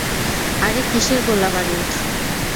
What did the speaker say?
আরে কিসের গোলাবারুদ?